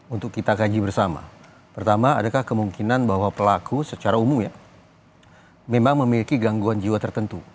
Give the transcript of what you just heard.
untuk kita kaji bersama pertama adakah kemungkinan bahwa pelaku secara umum ya memang memiliki gangguan jiwa tertentu